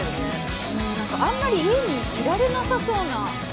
何かあんまり家にいられなさそうなイメージ。